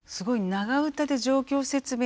長唄で状況説明なり